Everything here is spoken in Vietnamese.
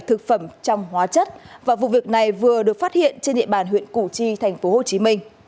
thực phẩm trong hóa chất và vụ việc này vừa được phát hiện trên địa bàn huyện củ chi tp hcm